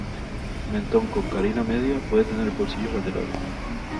Mentón con carina media, puede tener bolsillos laterales.